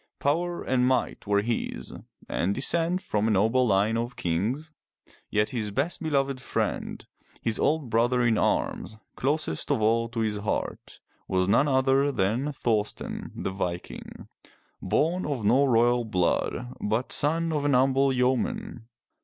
Power and might were his, and descent from a noble line of kings, yet his best beloved friend, his old brother in arms, closest of all to his heart, was none other than Thor'sten the Viking, born of no royal blood, but son of an humble yeoman.